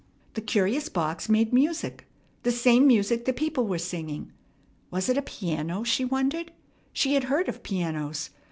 The curious box made music, the same music the people were singing. Was it a piano? she wondered. She had heard of pianos.